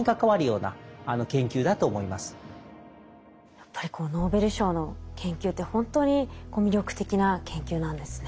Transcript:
やっぱりこうノーベル賞の研究って本当に魅力的な研究なんですね。